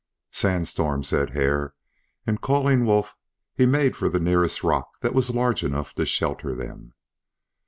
"Sand storm," said Hare, and calling Wolf he made for the nearest rock that was large enough to shelter them.